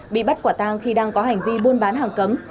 bị bắt quả tang khi đang có hành vi buôn bán hàng cấm